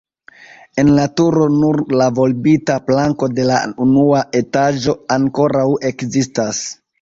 En la turo nur la volbita planko de la unua etaĝo ankoraŭ ekzistas.